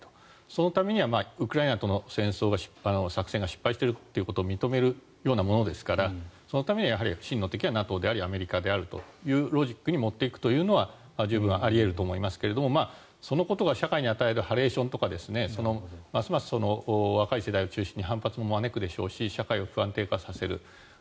そのためにはウクライナとの作戦が失敗していることを認めるようなものですからそのためには真の敵はＮＡＴＯでありアメリカであるというロジックに持っていくというのは十分にあり得ると思いますがそのことが社会に与えるハレーションとかますます若い世代を中心に反発を招くでしょうし社会を不安定化させる。